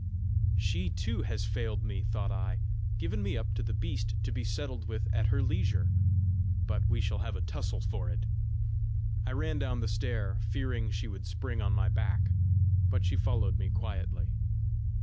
"She too has failed me!" thought I; " given me up to the beast to be settled with at her leisure! But we shall have a tussle for it!" I ran down the stair, fearing she would spring on my back, but she followed me quietly.